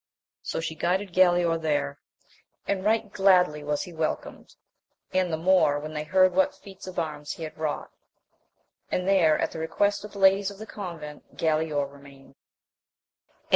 So she guided Galaor there, and right gladly was he wel comed, and the more when they heard what feats of arms he had wrought ; and there, at the request of the ladies of the convent, Galaor remained.